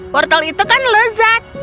wortel itu kan lezat